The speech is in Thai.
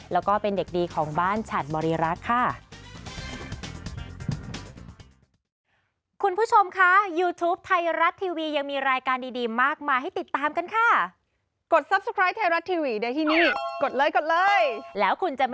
แล้วก็เป็นเด็กดีของบ้านฉัดบริรักษ์ค่ะ